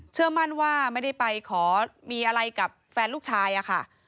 เชื่อมั่นว่าไม่ได้ไปขอมีอะไรกับแฟนลูกชายอะค่ะ